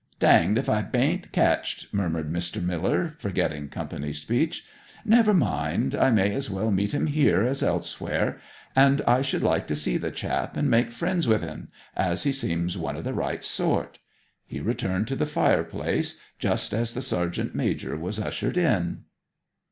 'Danged if I bain't catched!' murmured Mr. Miller, forgetting company speech. 'Never mind I may as well meet him here as elsewhere; and I should like to see the chap, and make friends with en, as he seems one o' the right sort.' He returned to the fireplace just as the sergeant major was ushered in.